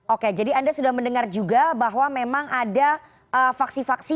oke jadi anda sudah mendengar juga bahwa memang ada faksi faksi